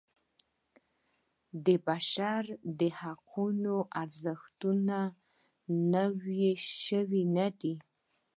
د بشر د حقونو ارزښتونه نوی شی نه دی.